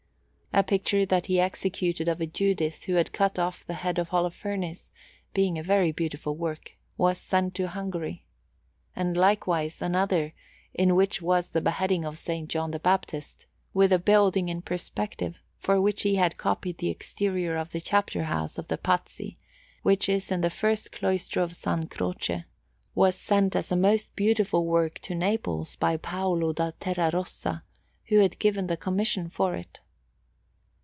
A picture that he executed of a Judith who had cut off the head of Holofernes, being a very beautiful work, was sent to Hungary. And likewise another, in which was the Beheading of S. John the Baptist, with a building in perspective for which he had copied the exterior of the Chapter house of the Pazzi, which is in the first cloister of S. Croce, was sent as a most beautiful work to Naples by Paolo da Terrarossa, who had given the commission for it.